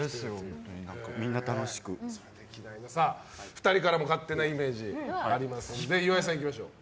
２人からも勝手なイメージありますので岩井さん、いきましょう。